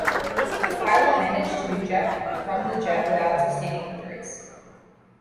The pilot managed to eject from the jet without sustaining injuries.